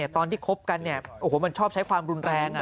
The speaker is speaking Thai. ตอนที่คบกันมันชอบใช้ความรุนแรง